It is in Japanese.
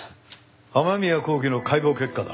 雨宮光喜の解剖結果だ。